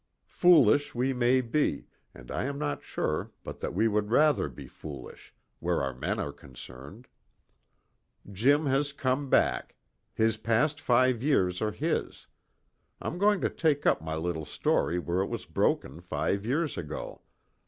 Foolish we may be, and I am not sure but that we would rather be foolish where our men are concerned. Jim has come back. His past five years are his. I am going to take up my little story where it was broken five years ago.